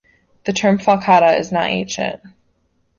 The term "falcata" is not ancient.